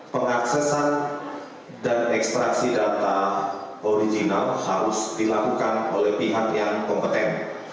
pengaksesan dan ekstraksi data original harus dilakukan oleh pihak yang kompeten